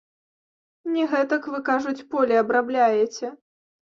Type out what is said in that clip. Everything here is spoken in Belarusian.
Не гэтак вы, кажуць, поле абрабляеце.